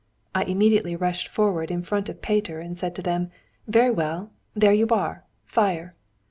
I immediately rushed forward in front of Peter, and said to them, 'Very well! there you are! Fire!'